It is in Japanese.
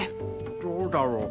どうだろう。